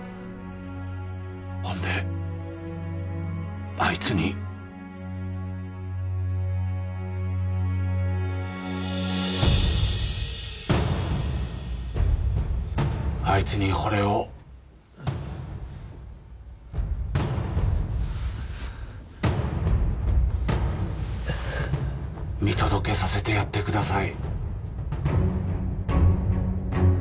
ほんであいつに・あいつにほれを・見届けさせてやってください